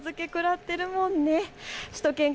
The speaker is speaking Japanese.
お預け食らってるもんね。